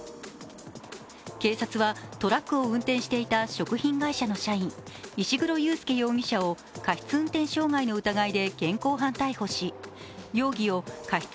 警察はトラックを運転していた食品会社の社員石黒佑介容疑者を過失運転傷害の疑いで現行犯逮捕し容疑を過失